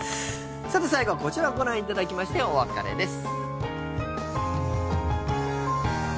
さて、最後はこちらをご覧いただきましてお別れです。